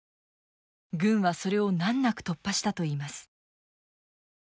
軍はそれを難なく突破したといいます。